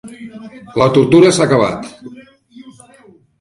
La tortura s'ha acabat.